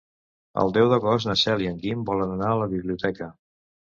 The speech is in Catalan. El deu d'agost na Cel i en Guim volen anar a la biblioteca.